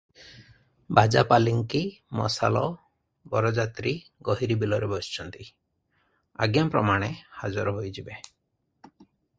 ବାଜା ପାଲିଙ୍କି ମଶାଲ ବରଯାତ୍ରୀ ଗହୀରି ବିଲରେ ବସିଛନ୍ତି, ଆଜ୍ଞାପ୍ରମାଣେ ହାଜର ହୋଇଯିବେ ।"